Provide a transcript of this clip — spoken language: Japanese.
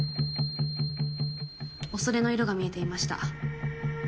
恐れの色が見えていました。